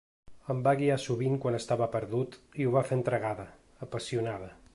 Em va guiar sovint quan estava perdut, i ho va fer entregada, apassionada.